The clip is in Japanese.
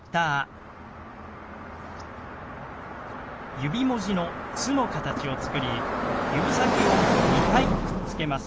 指文字の「つ」の形を作り指先を２回くっつけます。